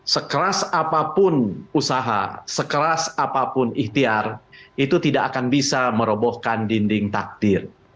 sekeras apapun usaha sekeras apapun ikhtiar itu tidak akan bisa merobohkan dinding takdir